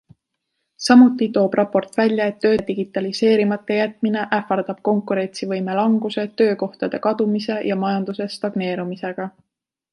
Samuti toob raport välja, et tööde digitaliseerimata jätmine ähvardab konkurentsivõime languse, töökohtade kadumise ja majanduse stagneerumisega.